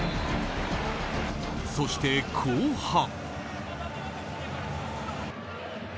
そして後半。